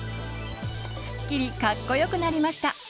スッキリかっこよくなりました！